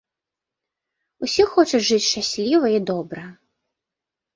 Усе хочуць жыць шчасліва і добра.